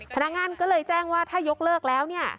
พนักงานก็เลยแจ้งว่าถ้ายกเลิกแล้วเนี่ย